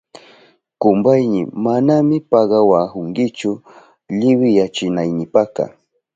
Kumpayni, manami pagawahunkichu liwiyachinaynipaka.